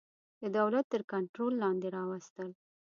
د دولت تر کنټرول لاندي راوستل.